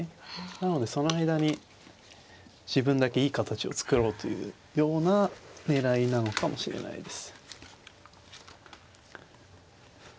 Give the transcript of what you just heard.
なのでその間に自分だけいい形を作ろうというような狙いなのかもしれないです。